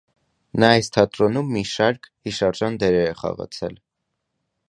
Նա այս թատրոնում մի շարք հիշարժան դերեր է խաղացել։